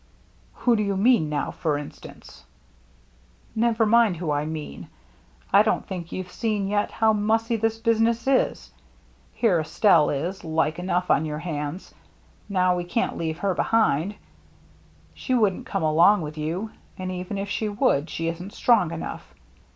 " Who do you mean now, for instance ?"" Never mind who I mean. I don't think you've seen yet how mussy this business is. Here Estelle is, like enough, on our hands. Now we can't leave her behind. She wouldn't come along with you ; and even if she would, she isn't strong enough.